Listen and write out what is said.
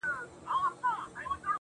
ستادی ،ستادی، ستادی فريادي گلي.